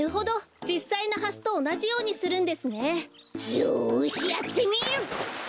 よしやってみる！